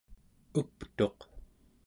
uptuq